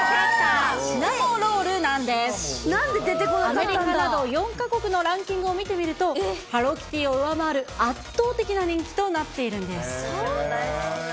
アメリカなど４か国のランキングを見てみると、ハローキティを上回る圧倒的な人気となっているんです。